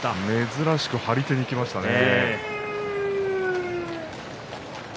珍しく張り手にいきましたね。